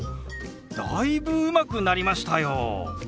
だいぶうまくなりましたよ！